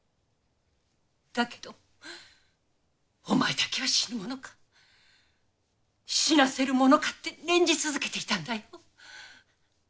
だけどお前だけは死ぬものか死なせるものかって念じ続けていたんだよ。